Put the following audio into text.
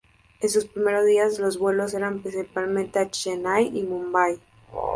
En sus primeros días, los vuelos eran principalmente a Chennai y Mumbai.